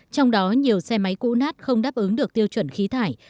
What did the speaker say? trong đó nhiều xe máy cũ nát không đáp ứng được tiêu chuẩn khí thải